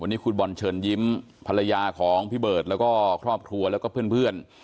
วันนี้คุณบอลเชิญยิ้มภรรยาของพี่เบิร์ตแล้วก็ครอบครัวแล้วก็เพื่อน